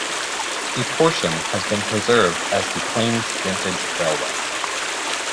A portion has been preserved as the Plains Vintage Railway.